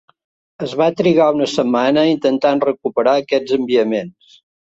Es va trigar una setmana intentant recuperar aquests enviaments.